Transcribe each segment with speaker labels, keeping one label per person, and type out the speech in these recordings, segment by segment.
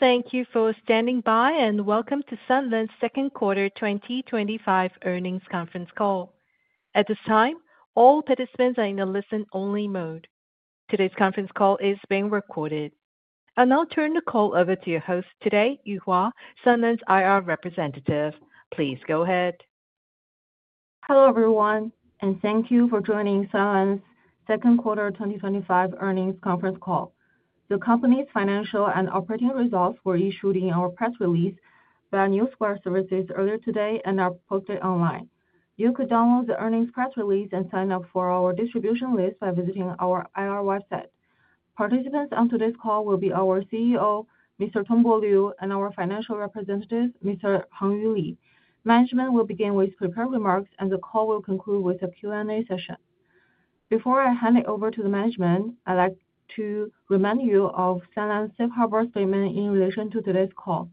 Speaker 1: Thank you for standing by and welcome to Sunlands Second Quarter 2025 Earnings Conference Call. At this time, all participants are in a listen-only mode. Today's conference call is being recorded. I'll turn the call over to your host today, Yuhua Ye, Sunlands IR representative. Please go ahead.
Speaker 2: Hello, everyone, and thank you for joining Sunlands Technology Group's Second Quarter 2025 Earnings Conference Call. The company's financial and operating results were issued in our press release via NewsQuire Services earlier today and are posted online. You can download the earnings press release and sign up for our distribution list by visiting our IR website. Participants on today's call will be our CEO, Mr. Tongbo Liu, and our Financial Director, Mr. Hangyu Li. Management will begin with prepared remarks, and the call will conclude with a Q&A session. Before I hand it over to management, I'd like to remind you of Sunlands Safe Harbor statement in relation to today's call.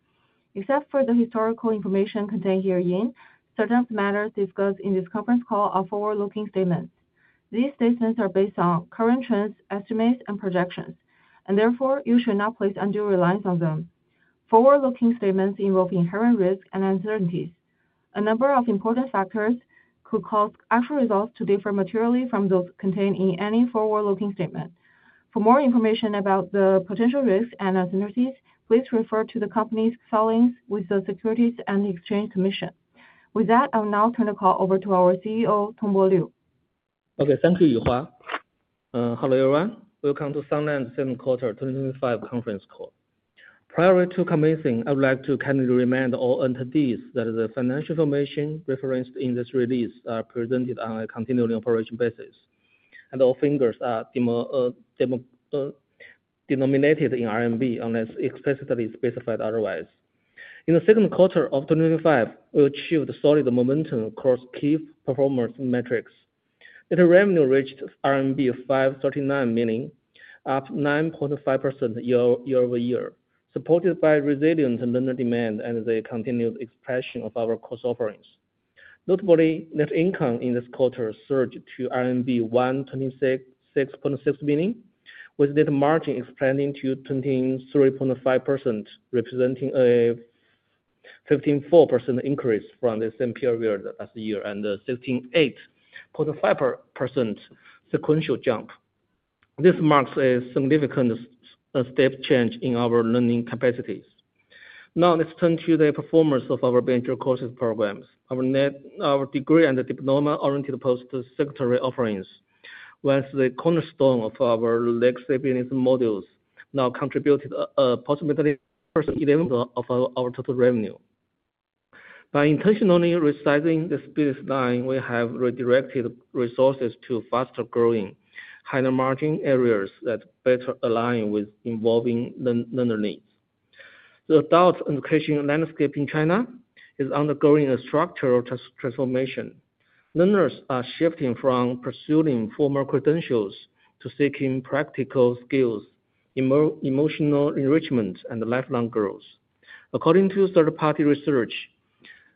Speaker 2: Except for the historical information contained herein, certain matters discussed in this conference call are forward-looking statements. These statements are based on current trends, estimates, and projections, and therefore, you should not place undue reliance on them. Forward-looking statements involve inherent risks and uncertainties. A number of important factors could cause actual results to differ materially from those contained in any forward-looking statement. For more information about the potential risks and uncertainties, please refer to the company's filings with the Securities and Exchange Commission. With that, I will now turn the call over to our CEO, Tongbo Liu.
Speaker 3: Okay, thank you, Yuhua. Hello, everyone. Welcome to Sunlands Second Quarter 2025 Conference Call. Prior to commencing, I would like to kindly remind all entities that the financial information referenced in this release is presented on a continuing operation basis, and all figures are denominated in RMB unless explicitly specified otherwise. In the second quarter of 2025, we achieved solid momentum across key performance metrics. Net revenue reached 539 million RMB, up 9.5% year-over-year, supported by resilient learner demand and the continued expansion of our cross-offerings. Notably, net income in this quarter surged to RMB 126.6 million, with net margin expanding to 23.5%, representing a 54% increase from the same period last year and a 16.5% sequential jump. This marks a significant step change in our learning capacities. Now, let's turn to the performance of our bachelor courses programs. Our degree and diploma-oriented post-secondary courses, once the cornerstone of our legacy business models, now contribute approximately 11% of our total revenue. By intentionally resizing this business line, we have redirected resources to faster-growing, higher margin areas that better align with evolving learner needs. The adult education landscape in China is undergoing a structural transformation. Learners are shifting from pursuing formal credentials to seeking practical skills, emotional enrichment, and lifelong growth. According to third-party research,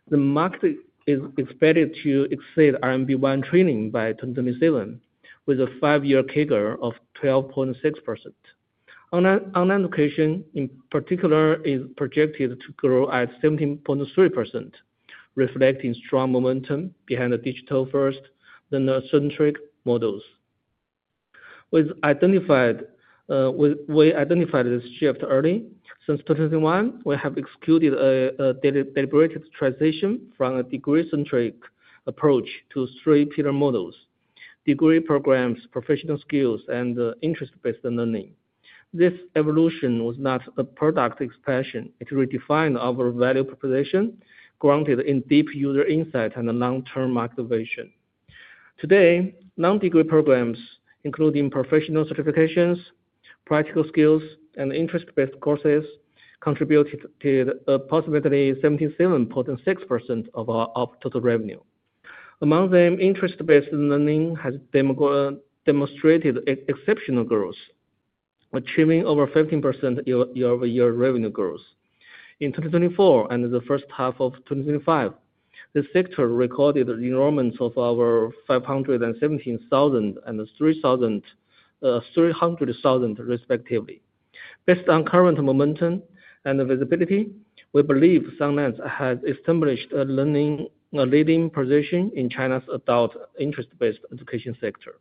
Speaker 3: the market is expected to exceed RMB 1 trillion by 2027, with a five-year CAGR of 12.6%. Online education, in particular, is projected to grow at 17.3%, reflecting strong momentum behind the digital-first learner-centric models. We identified this shift early. Since 2021, we have executed a deliberate transition from a degree-centric approach to three-pillar models: degree programs, professional skills development, and interest-based learning. This evolution was not a product expansion, it redefined our value proposition, grounded in deep user insight and long-term motivation. Today, non-degree programs, including professional certifications, practical skills, and interest-based courses, contribute to approximately 77.6% of our total revenue. Among them, interest-based learning has demonstrated exceptional growth, achieving over 15% year-over-year revenue growth. In 2024 and the first half of 2025, the sector recorded enrollments of over 517,000 and 300,000, respectively. Based on current momentum and visibility, we believe Sunlands has established a leading position in China's adult interest-based education sector.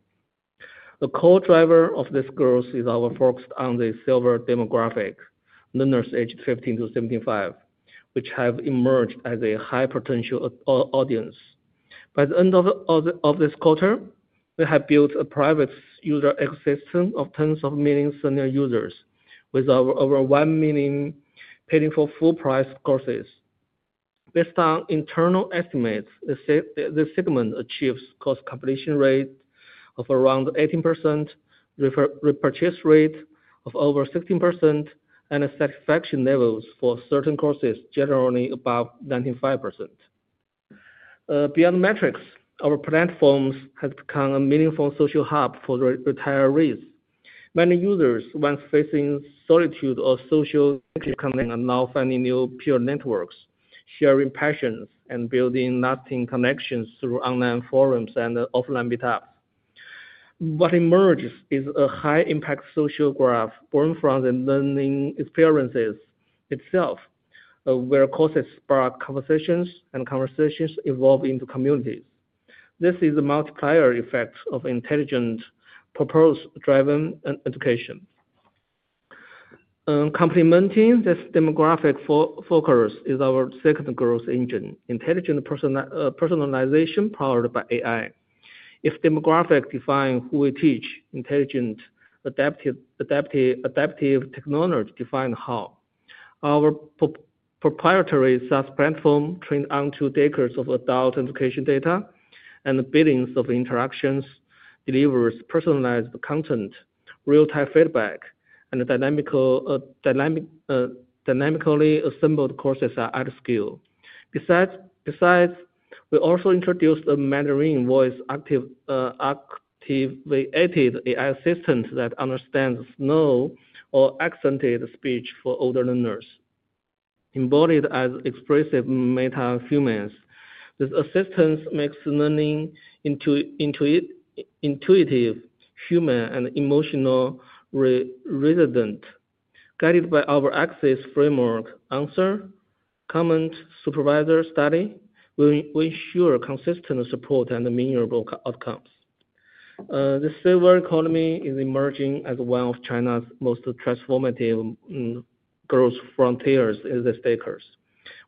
Speaker 3: A core driver of this growth is our focus on the silver demographic, learners aged 15-75, which have emerged as a high-potential audience. By the end of this quarter, we have built a private user ecosystem of tens of millions of Sunlands users, with over 1 million paying for full-price courses. Based on internal estimates, this segment achieves course completion rate of around 18%, repurchase rate of over 16%, and satisfaction levels for certain courses generally above 95%. Beyond metrics, our platforms have become a meaningful social hub for retirees. Many users, once facing solitude or social disconnect, are now finding new peer networks, sharing passions, and building lasting connections through online forums and offline meetups. What emerges is a high-impact social graph born from the learning experiences itself, where courses spark conversations and conversations evolve into communities. This is a multiplier effect of intelligent purpose-driven education. Complementing this demographic focus is our second growth engine, intelligent personalization powered by AI. If demographic defines who we teach, intelligent adaptive technology defines how. Our proprietary AI-powered SaaS platforms, trained on two decades of adult education data and billions of interactions, deliver personalized content, real-time feedback, and dynamically assembled courses at scale. Besides, we also introduced Mandarin voice-activated AI assistants that understand no or accented speech for older learners. Embodied as expressive meta-humans, this assistance makes learning into intuitive human and emotional residents. Guided by our access framework, answer, comment, supervisor study, we ensure consistent support and meaningful outcomes. The silver economy is emerging as one of China's most transformative growth frontiers in this decade.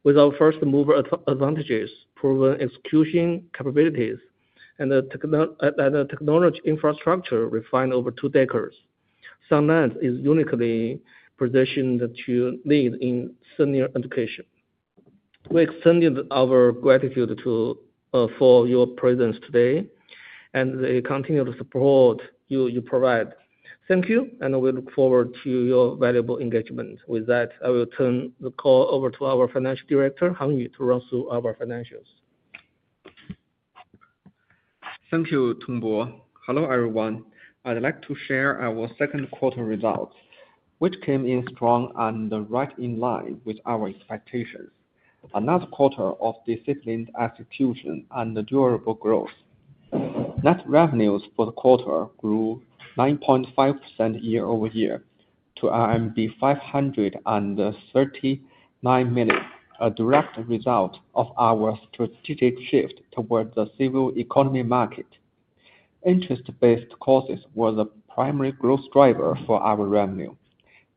Speaker 3: With our first mover advantages, proven execution capabilities, and the technology infrastructure refined over two decades, Sunlands is uniquely positioned to lead in Sunny education. We extend our gratitude for your presence today and the continued support you provide. Thank you, and we look forward to your valuable engagement. With that, I will turn the call over to our Financial Director, Hangyu Li, to run through our financials.
Speaker 4: Thank you, Tongbo. Hello, everyone. I'd like to share our second quarter results, which came in strong and right in line with our expectations. Another quarter of disciplined execution and durable growth. Net revenues for the quarter grew 9.5% year-over-year to RMB 539 million, a direct result of our strategic shift towards the civil economy market. Interest-based courses were the primary growth driver for our revenue,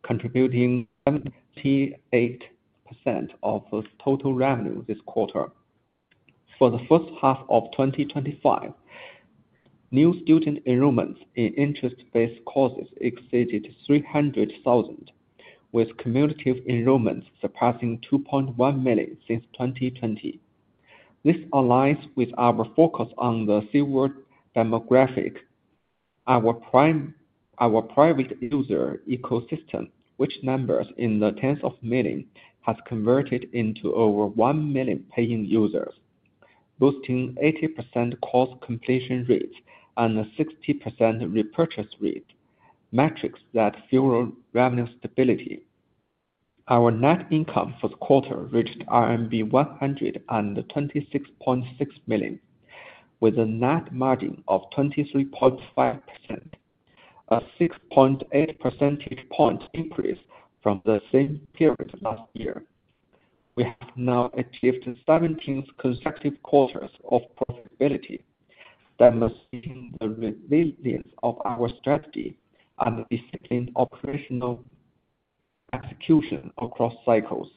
Speaker 4: contributing 28% of total revenue this quarter. For the first half of 2025, new student enrollments in interest-based courses exceeded 300,000, with cumulative enrollments surpassing 2.1 million since 2020. This aligns with our focus on the silver demographic. Our private user ecosystem, which numbers in the tens of millions, has converted into over 1 million paying users, boasting 80% course completion rates and 60% repurchase rates, metrics that fuel revenue stability. Our net income for the quarter reached RMB 126.6 million, with a net margin of 23.5%, a 6.8% increase from the same period last year. We have now achieved 17 consecutive quarters of profitability. That must be the resilience of our strategy and the disciplined operational execution across cycles.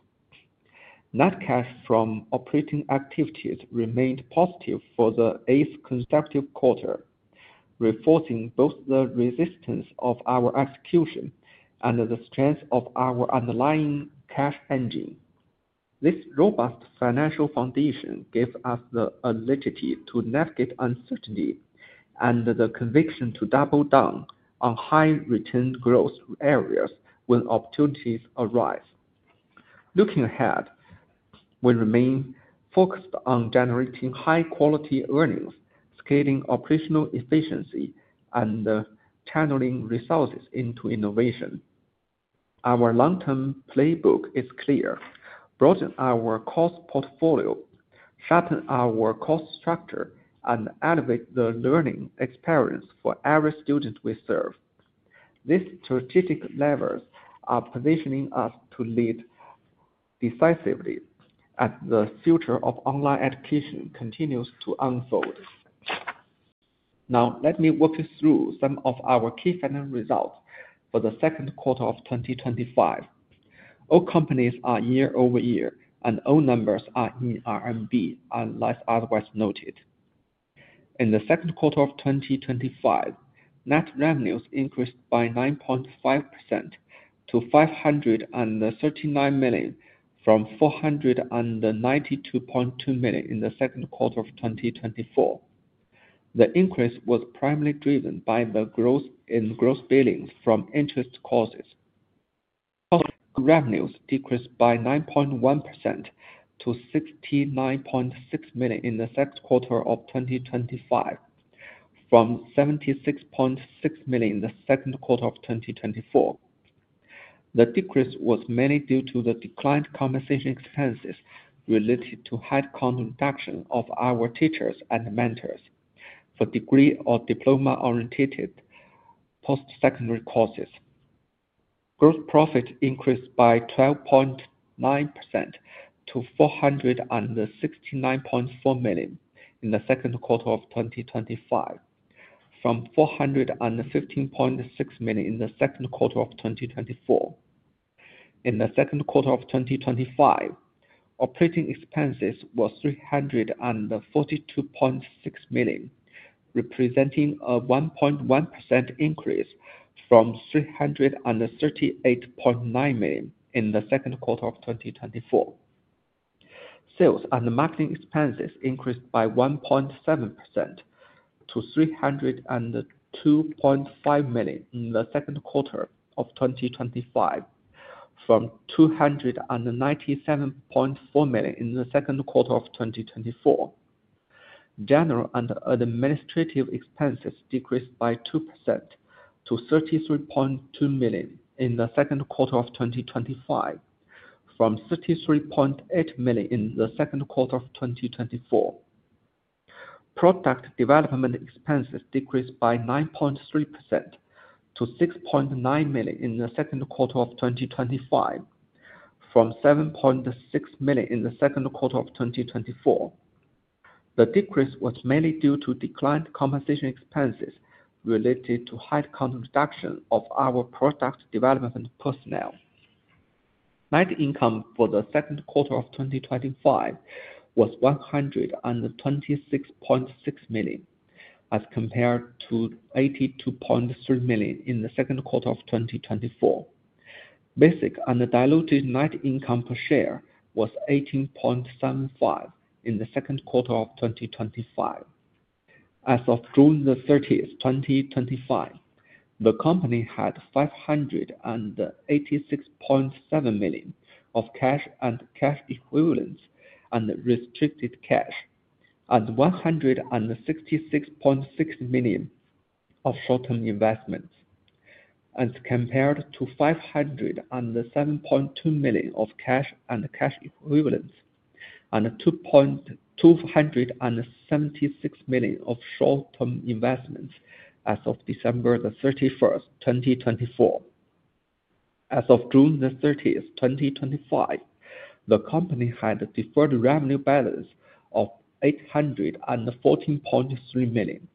Speaker 4: Net cash from operating activities remained positive for the eighth consecutive quarter, reflecting both the resilience of our execution and the strength of our underlying cash engine. This robust financial foundation gives us the ability to navigate uncertainty and the conviction to double down on high-return growth areas when opportunities arise. Looking ahead, we remain focused on generating high-quality earnings, scaling operational efficiency, and channeling resources into innovation. Our long-term playbook is clear: broaden our course portfolio, sharpen our course structure, and elevate the learning experience for every student we serve. These strategic levers are positioning us to lead decisively as the future of online education continues to unfold. Now, let me walk you through some of our key financial results for the second quarter of 2025. All comparisons are year-over-year, and all numbers are in RMB, unless otherwise noted. In the second quarter of 2025, net revenues increased by 9.5% to 539 million, from 492.2 million in the second quarter of 2024. The increase was primarily driven by the growth in gross billings from interest-based courses. Cost of revenues decreased by 9.1% to 69.6 million in the second quarter of 2025, from 76.6 million in the second quarter of 2024. The decrease was mainly due to the declined compensation expenses related to the headcount reduction of our teachers and mentors for degree and diploma-oriented post-secondary courses. Gross profit increased by 12.9% to 469.4 million in the second quarter of 2025, from 415.6 million in the second quarter of 2024. In the second quarter of 2025, operating expenses were 342.6 million, representing a 1.1% increase from 338.9 million in the second quarter of 2024. Sales and marketing expenses increased by 1.7% to 302.5 million in the second quarter of 2025, from 297.4 million in the second quarter of 2024. General and administrative expenses decreased by 2% to 33.2 million in the second quarter of 2025, from 33.8 million in the second quarter of 2024. Product development expenses decreased by 9.3% to 6.9 million in the second quarter of 2025, from 7.6 million in the second quarter of 2024. The decrease was mainly due to declined compensation expenses related to headcount reduction of our product development personnel. Net income for the second quarter of 2025 was 126.6 million, as compared to 82.3 million in the second quarter of 2024. Basic and diluted net income per share was 18.75 in the second quarter of 2025. As of June 30, 2025, the company had 586.7 million of cash and cash equivalents and restricted cash, and 166.6 million of short-term investments, as compared to 507.2 million of cash and cash equivalents and 276 million of short-term investments as of December 31, 2024. As of June 30, 2025, the company had a deferred revenue balance of 814.3 million,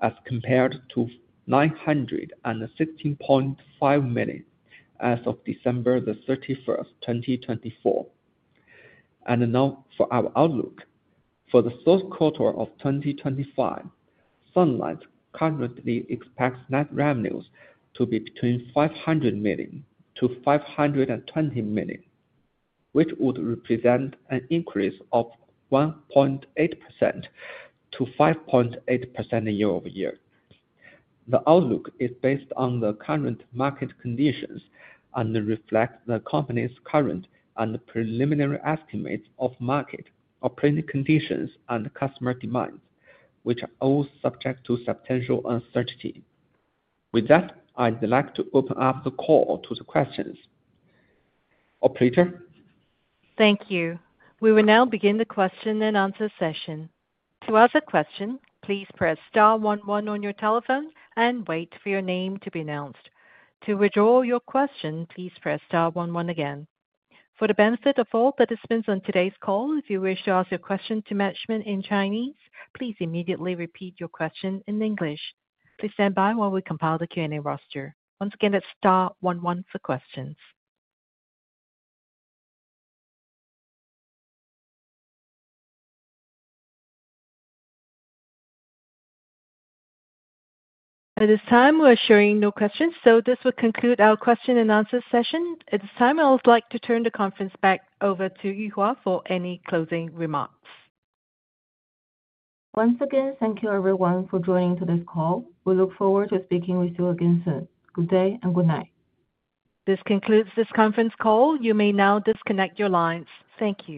Speaker 4: as compared to 916.5 million as of December 31, 2024. For our outlook for the third quarter of 2025, Sunlands currently expects net revenues to be between 500 million-520 million, which would represent an increase of 1.8%-5.8% year-over-year. The outlook is based on the current market conditions and reflects the company's current and preliminary estimates of market operating conditions and customer demand, which are all subject to substantial uncertainty. With that, I'd like to open up the call to the questions. Operator?
Speaker 1: Thank you. We will now begin the question-and-answer session. To ask a question, please press star 11 on your telephone and wait for your name to be announced. To withdraw your question, please press star 11 again. For the benefit of all participants on today's call, if you wish to ask your question to management in Chinese, please immediately repeat your question in English. Please stand by while we compile the Q&A roster. Once again, that's star 11 for questions. At this time, we're showing no questions, so this will conclude our question-and-answer session. At this time, I would like to turn the conference back over to Yuhua Ye for any closing remarks.
Speaker 2: Once again, thank you, everyone, for joining today's call. We look forward to speaking with you again soon. Good day and good night.
Speaker 1: This concludes this conference call. You may now disconnect your lines. Thank you.